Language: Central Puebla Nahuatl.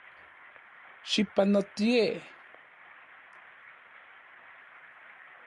Xipanotie.